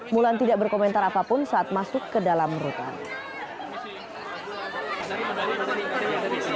mulan tidak berkomentar apapun saat masuk ke dalam rutan